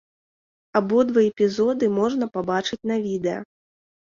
Абодва эпізоды можна пабачыць на відэа.